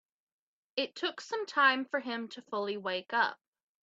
It took some time for him to fully wake up.